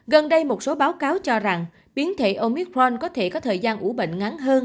gần đây một số báo cáo cho rằng biến thể omicron có thể có thời gian ủ bệnh ngắn hơn